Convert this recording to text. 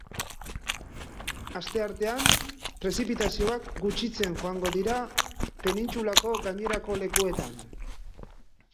Asteartean, prezipitazioak gutxitzen joango dira penintsulako gainerako lekuetan.